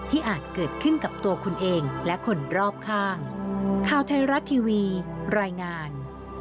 อาจเกิดขึ้นกับตัวคุณเองและคนรอบข้างข่าวไทยรัฐทีวีรายงาน